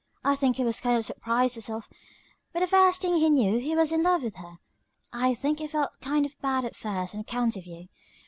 I think he was kind of surprised hisself, but the first thing he knew he was in love with her. I think he felt kind of bad at first on account of you.